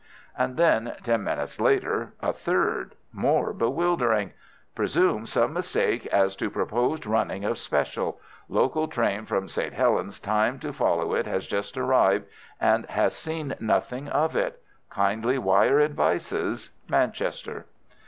And then ten minutes later a third, more bewildering:— "Presume some mistake as to proposed running of special. Local train from St. Helens timed to follow it has just arrived and has seen nothing of it. Kindly wire advices.—Manchester."